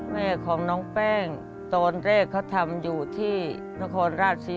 แม่ของน้องเป้งตอนเลขเค้าทำอยู่ที่นะครราชสิเมีย